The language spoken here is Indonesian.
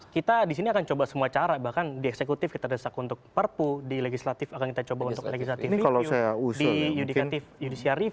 kita di sini akan coba semua cara bahkan di eksekutif kita desak untuk perpu di legislatif akan kita coba untuk legislatif review di judisiar review